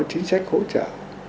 chính sách hỗ trợ